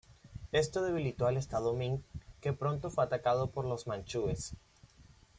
Esto debilitó al estado Ming, que pronto fue atacado por los manchúes.